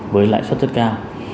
với lãi suất rất cao